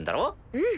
うん。